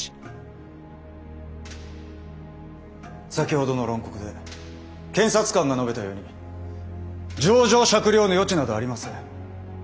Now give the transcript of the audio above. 先ほどの論告で検察官が述べたように情状酌量の余地などありません。